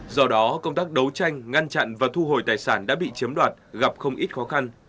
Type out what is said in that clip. do đó công tác đấu tranh ngăn chặn và thu hồi tài sản đã bị chiếm đoạt gặp không ít khó khăn